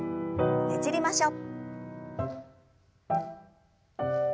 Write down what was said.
ねじりましょう。